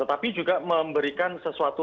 tetapi juga memberikan sesuatu